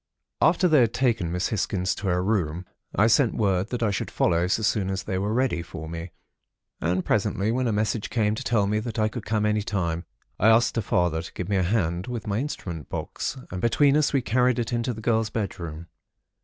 "After they had taken Miss Hisgins to her room, I sent word that I should follow so soon as they were ready for me. And, presently, when a message came to tell me that I could come any time, I asked her father to give me a hand with my instrument box, and between us we carried it into the girl's bedroom.